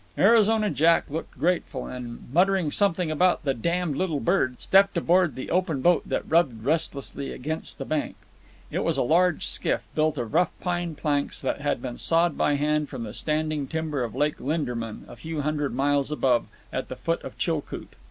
Arizona Jack looked grateful, and, muttering something about "damned little birds," stepped aboard the open boat that rubbed restlessly against the bank. It was a large skiff, built of rough pine planks that had been sawed by hand from the standing timber of Lake Linderman, a few hundred miles above, at the foot of Chilcoot.